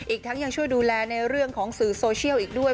อีกทั้งยังช่วยดูแลในเรื่องของสื่อโซเชียลอีกด้วย